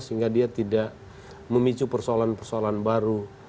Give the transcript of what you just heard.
sehingga dia tidak memicu persoalan persoalan baru